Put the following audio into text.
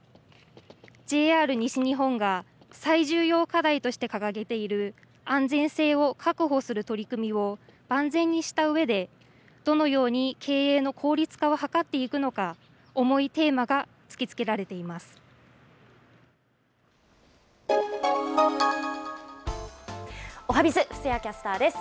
ＪＲ西日本が最重要課題として掲げている安全性を確保する取り組みを万全にしたうえで、どのように経営の効率化を図っていくのか、重いテーマが突きつけられています。